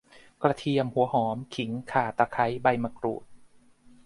กระเทียม หัวหอม ขิง ข่า ตะไคร้ ใบมะกรูด